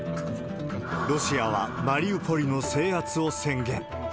ロシアはマリウポリの制圧を宣言。